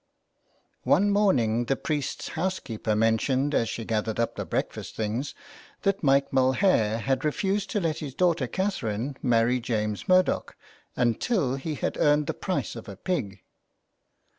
One morning the priest's housekeeper mentioned as she gathered up the breakfast things, that Mike Mulhare had refused to let his daughter Catherine marry James Murdoch until he had earned the price of a pig.